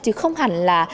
chứ không hẳn là